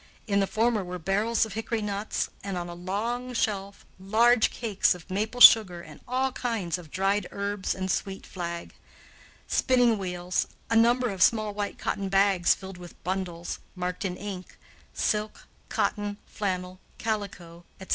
In the former were barrels of hickory nuts, and, on a long shelf, large cakes of maple sugar and all kinds of dried herbs and sweet flag; spinning wheels, a number of small white cotton bags filled with bundles, marked in ink, "silk," "cotton," "flannel," "calico," etc.